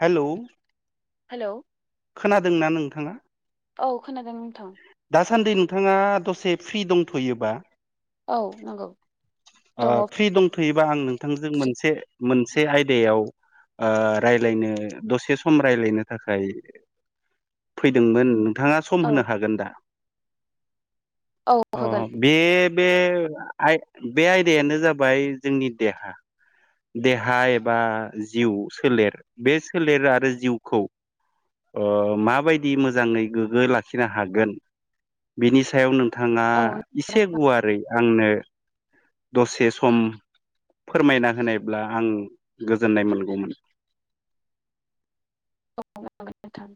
Hello. Hello. खोनादोंना नोंथाङा? औ खोनादों नोंथां दासान्दि नोंथाङा दसे फ्रि दंथ'योबा औ नंगौ। ओ दङ फ्रि दंथ'योबा आं नोंथांजों फ्रि मोनसे मोनसे आयदायाव ओ रायलायनो दसे सम रायलायनो थाखाय फैदोंमोन नों थाङा औ सम होनो हागोन दा? औ अ होगोन बे बे आय बे आयदायानो जाबाय जोंनि देहा। देहा एबा जिउ सोलेर बे सोलेर आरो जिउखौ ओ माबायदि मोजाङै गोगो लाखिनो हागोन बिनि सायाव नों थाङा औ एसे गुवारै आंनो दसे सम फोरमायना होनायब्ला आं गोजोननाय मोनगौमोन। [inaudible] नांगोन नोंथां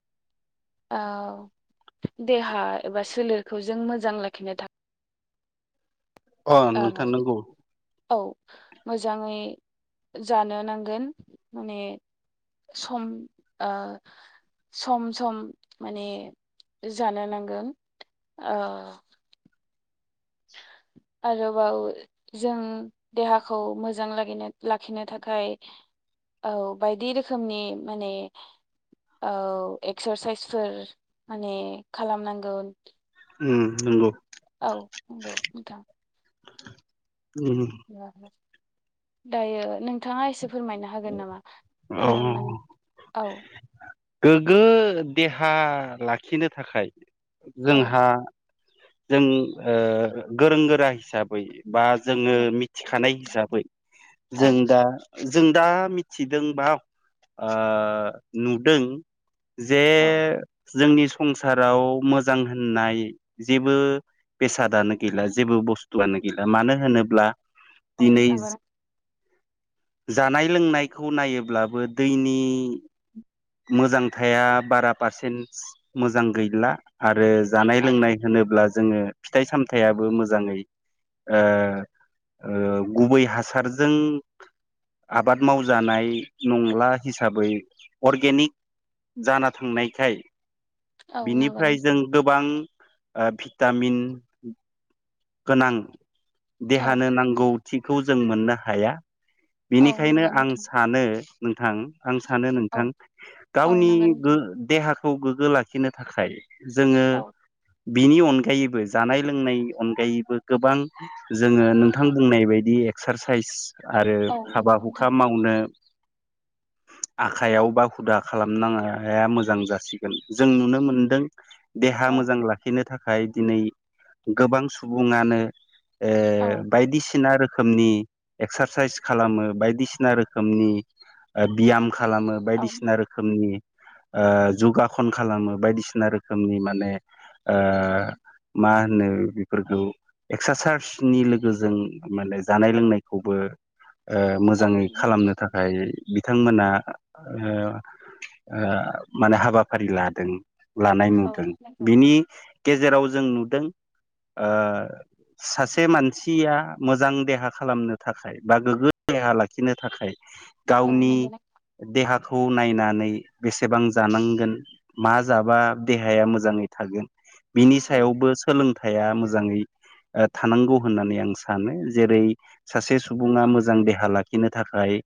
औ देहा एबा सोलेरखौ जों मोजां लाखिनो था अ नोंथां नंगौ‌। औ मोजाङै जानो नांगोन माने सम ओ सम सम माने जानो नांगोन ओ [inaudible] आरोबाव जों देहाखौ मोजां लगिनो लाखिनो थाखाय औ बायदि रोखोमनि माने औ एक्सारसाइसफोर माने खालाम नांगोन। उम नंगौ। औ नंगौ नोंथां। उम दायो नोंथाङा एसे फोरमायनो हागोन नामा औ आङो माने औ। गोग्गो देहा लाखिनो थाखाय औ जोंहा जों ओ गोरों गोरा हिसाबै बा औ जोङो मिथिखानाय हिसाबै जों औ दा जों दा मिथिदोंबा ओ नुदों। जे औ जोंनि संसाराव मोजां होननाय जेबो बेसादानो गैला जेबो बुस्थुआनो गैला मानो होनोब्ला औ दिनै नंगौ ना? जानाय लोंनायखौ नायोब्लाबो दैनि मोजां थाया बारा पारसेन्ट मोजां गैला आरो जानाय औ लोंनाय होनोब्ला जोङो फिथाइ सामथायाबो मोजाङै ओ ओ गुबै हासारजों आबाद मावजानाय नंला हिसाबै अरगेनिक जाना थांनायखाय औ नंगौ बिनिफ्राय जों नोंथां गोबां ओ भिटामिन गोनां औ देहानो नांगौथिखौ जों मोननो हाया औ बिनिखायनो नंगौ आं नोंथां सानो नोंथां आं सानो नोंथां औ औ गावनि नंगौ गो नोंथां देहाखौ गोग्गो लाखिनो थाखाय जोङो औ बिनि अनगायैबो जानाय लोंनाय अनगायैबो गोबां जोङो नोंथां बुंनाय बायदि एक्सरसाइज आरो औ नंगौ हाबा हुखा नोंथां मावनो आखाइयाव बा हुदा खालामनाया मोजां जासिगोन जों नुनो मोनदों दे औ ओ औ बायदिसिना रोखोम रोखोमनि एक्सारसायेस खालामो बायदिसिना रोखोमनि ओ बियाम खालामो औ बायदिसिना रोखोमनि ओ जुगाखन खालामो बायदिसिना रोखोमनि माने ओ मा होनो बेफोरखौ एक्सारसाइजनि लोगोजों माने जानाय औ लोंनायखौबो ओ औ मोजाङै खालामनो थाखाय बिथांमोना ओओ माने हाबाफारि लादों। लानाय औ नुदों नंगौ बिनि गेजेराव जों नुदों ओ सासे मानसिया मोजां देहा खालामनो थाखाय बा गोग्गो देहा लाखिनो थाखाय औ गावनि नंगौ देहाखौ खौ नायनानै बेसेबां जानांगोन मा जाबा देहाया मोजाङै थागोन। बिनि औ सायावबो सोलोंथाइया मोजाङै ओ थानांगौ होननानै आं सानो जेरै सासे सुबुङा मोजां देहा लाखिनो थाखाय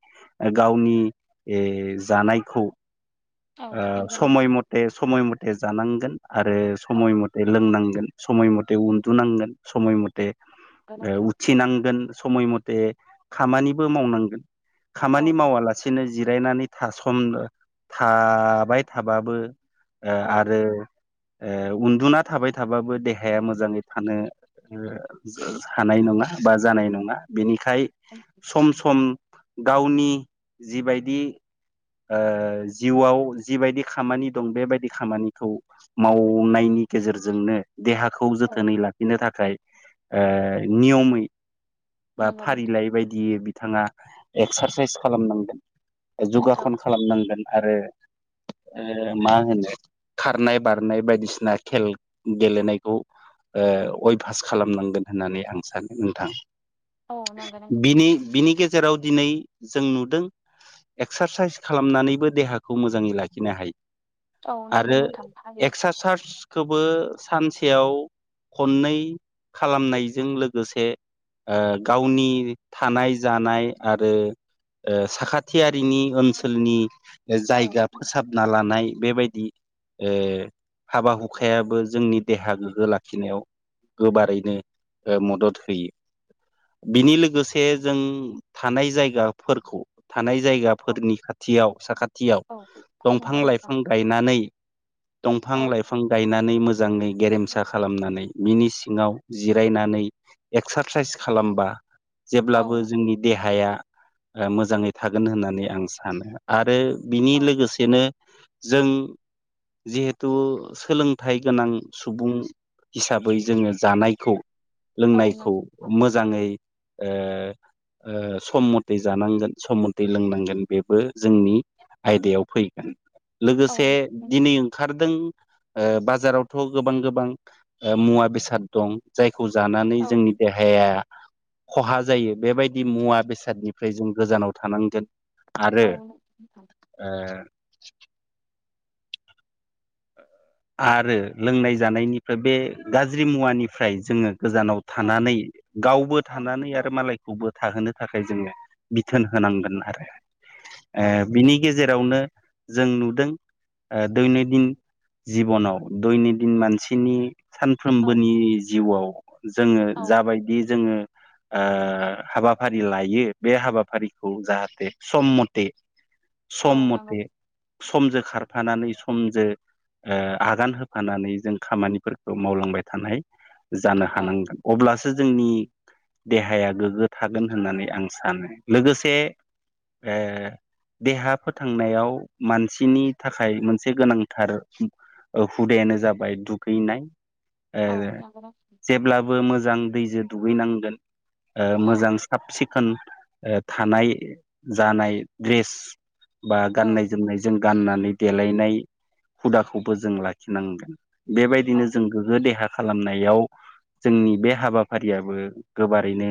गावनि ओ जानायखौ औ ओ नंगौ समय नोंथां मथे - समय मथे जानांगोन आरो औ समय मथे लोंनांगोन। समय मथे उन्दुनांगोन समय मथे नंगौ ओ नोंथां उथिनांगोन। समय मथे खामानिबो मावनांगोन खामानि औ मावालासेनो जिब जिरायनानै सम थाबाय थाबाबो ओ औ आरो ओ उन्दुना थाबाय थाबाबो देहाया मोजाङै थानो हानाय नङा बा जानाय नङा बिनि खाय सम- सम गावनि जिबायदि ओ जिउआव जिबायदि खामानि दं बेबायदि खामानिखौ मावनायनि नि गेजेरजोंनो देहाखौ औ जोथोनै लाखिनो थाखाय ओ नियमै बा नंगौ नोंथां फारिलाइ बायदियै बिथाङा एक्सारसाइस खालामनांगोन औ जगाखन खालामनांगोन आरो मा होनो खारनाय बारनाय बायदिसिना खेल गेलेनायखौ ओ अयभास खालामनांगोन होननानै आं सानो नोंथां औ नंगौ नोंथां बिनि - बिनि गे जेराव दिनै जों नुदों एक्सारसाइस खालामनानैबो देहाखौ मोजाङै लाखिनो हायो औ नंगौ आरो नोंथां हायो एक्सारसार्स खौबो सानसेयाव खननै खालामनायजों लोगोसे ओ गावनि थानाय जानाय आरो ओ साखाथियारिनि ओनसोलनि औ जायगा फोसाबना लानाय ओ बेबायदि हाबा - हुखायाबो जोंनि देहा गोग्गो लाखिनायाव गोबारैनो ओ मदद होयो बिनि लोगो लोगोसे जों थानाय जायगाफोरखौ थानाय औ जायगाफोरनि खाथियाव साखाथि खाथियाव औ नंगौ दंफां - नोंथां लाइफां गायनानै दंफां - औ लाइफां गायनानै मोजाङै गेरेमसा खालामनानै बिनि सिङाव जिरायनानै एक्सारसाइस खालाम होमबा औ जेब्लाबो जोंनि देहाया ओ मोजाङै थागोन होननानै आं सानो आरो बिनि औ लोगोसेनो जों जिहेथु सोलोंथाइ गोनां सुबुं हिसाबै जोङो जानायखौ औ लोंनायखौ नोंथां मोजाङै ओ ओ सम मथे जानांगोन सम मथे लोंनांगोन बेबो जोंनि आयदायाव फैगोन लोगोसे औ दिनै ओंखारदों ओ बाजारावथ' गोबां - गोबां मुवा - बेसाद दं जाय खौ जानानै औ जोंनि देहाया खहा जायो बेबायदि मुवा बेसादनिफ्राय जों गोजानाव थानांगोन आरो औ नोंथां ओ आरो लोंनाय जानायनिफ्राय बे गाज्रि मुवानिफ्राय जोङो गोजानाव औ थानानै गावबो औ थानानै नंगौ आरो मालायखौबो थाहोनो थाखाय जोङो बिथोन होनांगोन आरो ओ औ बिनि गेजेराव नो जों नुदों दैन ओ दिन जिबनाव दयनि दिन मानसिनि औ सानफ्रोमबोनि जिउआव जोङो औ जाबायदि जोङो ओ हाबाफारि लायो बे हाबाफारिखौ जाहाथे सम मथे औ सम नंगौ मथे समजों खारफानानै समजों ओ आगान होफानानै जों खामानिफोरखौ मावलांबाय थानाय जानो औ हानांगोन। अब्लासो जोंनि देहाया गोग्गो थागोन होननानै आं सानो। लोगोसे ओ देहा फोथांनायाव मानसिनि थाखाय मोनसे गोनांथार ओ हुदायानो जाबाय दुगैनाय औ नाजागोन। बो मोजां दै दुगैनांगोन ओ औ मोजां साबसिख खोन ओ थानाय, जानाय, द्रेस बा औ गाननाय जोमनायजों गाननानै देलायनाय हुदाखौबो जों लाखिनांगोन। बेबायदिनो जों गोग्गो देहा खालामनायाव जोंनि बे हाबाफारियाबो गोबारैनो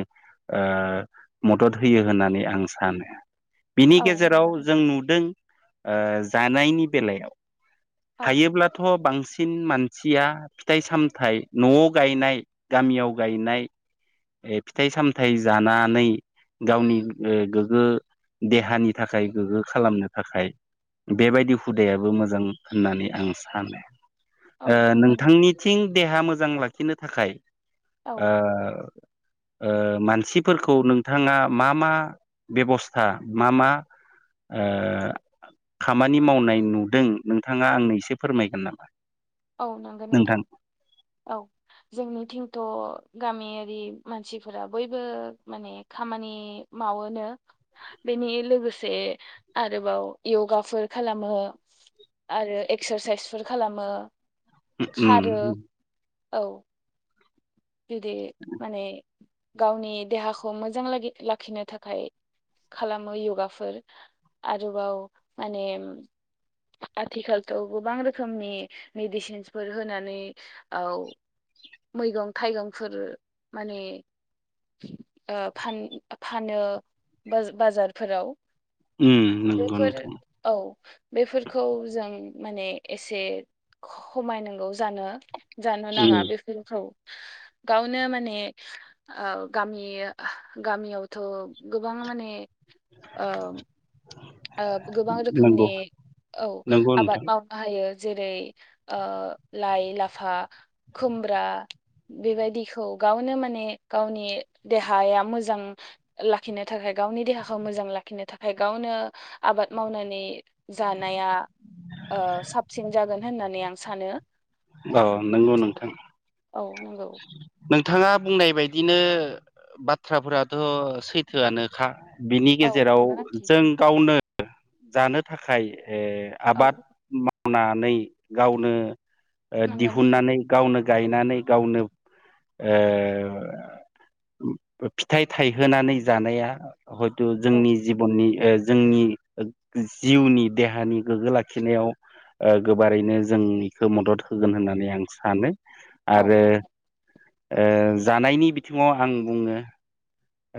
ओ मदद होयो होननानै आं सानो। बिनि औ नंगौ गेजेराव जों नोंथां नुदों ओ जानायनि बेलायाव औ हायोब्लाथ' बांसि सिन मानसिया फिथाय सामथाय न'आव गायनाय गामियाव गायनाय ए फिथाय सामथाय जानानै गावनि ओ गोग्गो देहानि थाखाय गोग्गो खालामनो थाखाय बेबायदि हुदायाबो मोजां। होननानै आं सानो। ओ औ नंगौ नोंथां नोंथांनिथिं देहा मोजां लाखिनो थाखाय औ ओ ओ मानसिफोरखौ नोंथाङा मा मा बेबस्था मा मा ओ खामानि मावनाय नुदों नोंथाङा आंनो एसे फोरमायगोन नामा? औ नंगौ नोंथां औ जोंनिथिंथ' गामियारि मानसिफोरा बयबो माने खामानि मावोनो बे नि लोगोसे आरोबाव यगाफोर खालामो आरो एक्सारसाइसफोर खालामो। उम। खारो औ। जुदि माने गावनि देहाखौ मोजां लागि-लाखिनो थाखाय खालामो यगाफोर आरोबाव माने आथिखालथ' गोबां रोखोमनि मेडिसिनसफोर होनानै औ। मैगं थाइगंफोर माने ओ फान-फानो बाज-बाजारफोराव। उम नंगौ बेफोर, नोंथां औ। बेफोरखौ जों माने एसे खमायनांगौ जानो जानो नाङा उम बेफोरखौ। गावनो माने औ गामि गामियावथ' गोबां माने ओं। ओ गोबां रोखोमनि नंगौ औ नंगौ आबाद नोंथां मावनो हायो। जेरै ओ लाय लाफा खुमब्रा बेबायदिखौ गावनो माने गावनि देहाया मोजां लाखिनो थाखाय गावनि देहाखौ मोजां लाखिनो थाखाय गावनो आबाद मावनानै जानाया ओ साबसिन जागोन होननानै आं सानो। औ नंगौ नोंथां। औ नंगौ। नोंथाङा बुंनाय बायदिनो बाथ्राफोराथ' सैथोआनोखा। बिनि औ गेजेराव नंगौ नोंथां जों गावनो जानो थाखाय ए औ आबाद मावनानै गावनो ओ नंगौ नोंथां दिहुननानै गावनो गायनानै गावनो ओ फिथाय थायहोनानै जानाया हयथ' औ जोंनि जिबननि ओ जोंनि जिउनि देहानि गोग्गो लाखिनायाव ओ गोबारैनो जोंनिखौ मदद होगोन होननानै आं सानो आरो औ नंगौ ओ जानायनि बिथिङाव आं बुङो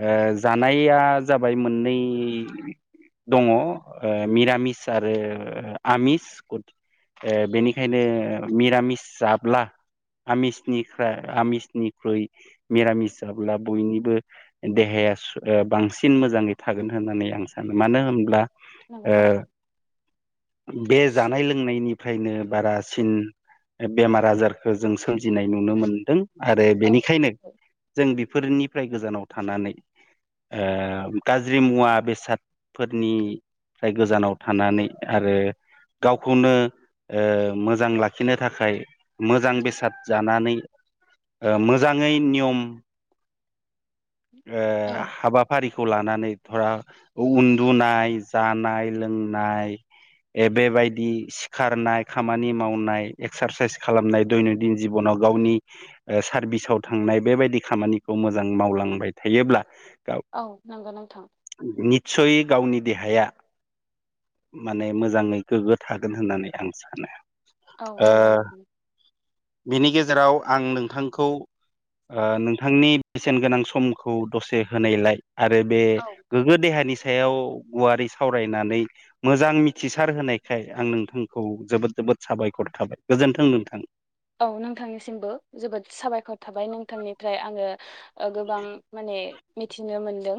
ओ जानाया जाबाय मोननै दङ ओ मिरामिस आरो आमिस ओ बेनिखायनो मिरामिस जाब्ला आमिसनिफ्रा आमिसनिख्रुइ मिरामिस जाब्ला बयनिबो देहाया सु बांसिन मोजाङै थागोन होननानै आं सानो मानो होनब्ला ओ नोंथां बे जानाय लोंनायनि फ्रायनो बारासिन बेमार आजारखौ जों सोमजिनाय नुनो मोनदों आरो बेनिखायनो औ नंगौ जों बेफोरनिफ्राय गोजानाव थानानै ओ गाज्रि मुवा बेसादफोरनि फ्राय गोजानाव थानानै आरो गावखौनो ओ मोजां लाखिनो थाखाय मोजां बेसाद जानानै ओ मोजाङै नियम ओ औ हाबाफारिखौ लानानै रा उन्दुनाय जानाय लोंनाय बेबायदि सिखारनाय खामानि मावनाय एक्सारसाइस खालामनाय दयनदिन जिबनाव गावनि ओ सारभिसाव थांनाय बेबायदि खामानिखौ मोजां मावलांबाय थायोब्ला गाव औ नंगो नोंथां निस्सयै गावनि देहाया माने मोजाङै गोग्गो थागोन होननानै आं सानो औ ओ नंगौ नोंथां बिनि गेज गेजेराव आं नोंथांखौ ओ नोंथांनि बेसेन गोनां सम खौ दसे होनायलाय आरो बे औ गोग्गो देहानि स सायाव गुवारै सावरायनानै मोजां मिथिसार होनायखाय आं नोंथांखौ जोबोद जोबोद साबायखर थाबाय गोजोन्थों नोंथां औ नोंथांनिसिमबो जोबोद साबायखर थाबाय नोंथांनिफ्राय आङो ओ गोबां माने मिथिनो मोनदों।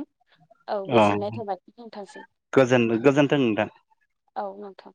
औ अ गोजोननाय थाबाय नोंथांसिम गोजोन गोजोनथों नोंथां औ नोंथां